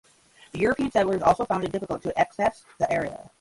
The European settlers also found it difficult to access the area.